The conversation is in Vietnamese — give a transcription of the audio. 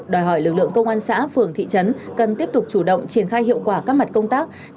đòi hỏi lực lượng công an xã phường thị trấn cần tiếp tục chủ động triển khai hiệu quả các mặt công tác